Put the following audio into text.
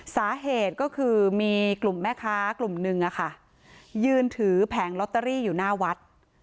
สาเหตุก็คือมีกลุ่มแม่ค้ากลุ่มนึงยืนถือแผงลอตเตอรี่อยู่หน้าวัด